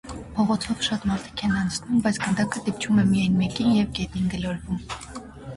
Փողոցով շատ մարդիկ են անցնում, բայց գնդակը դիպչում է միայն մեկին և գետին գլորում: